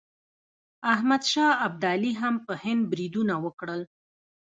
احمد شاه ابدالي هم په هند بریدونه وکړل.